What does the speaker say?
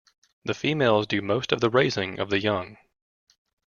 The females do most of the raising of the young.